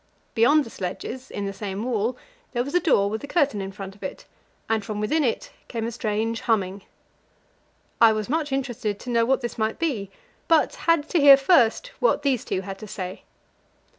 Beyond the sledges, in the same wall, there was a door with a curtain in front of it, and from within it came a strange humming. I was much interested to know what this might be, but had to hear first what these two had to say.